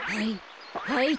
はい。